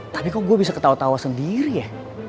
tapi kok gue bisa ketawa tawa sendiri ya